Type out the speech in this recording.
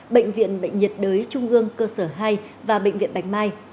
bệnh viện bệnh nhiệt đới trung ương cơ sở hai và bệnh viện bạch mai